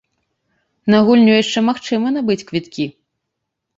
На гульню яшчэ магчыма набыць квіткі.